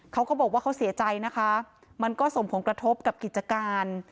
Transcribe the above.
เขาก็บอกว่าเขาเสียใจนะคะมันก็ส่งผลกระทบกับกิจการ